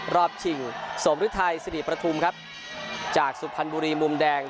ชิงสมฤทัยสิริประทุมครับจากสุพรรณบุรีมุมแดง